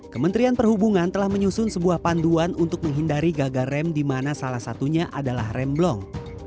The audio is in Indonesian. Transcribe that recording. kementerian perhubungan telah menyusun sebuah panduan untuk menghindari gagal rem di mana salah satunya adalah rem blong